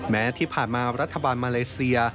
แม้ที่ผ่านมารัฐบาลมาเลเซีย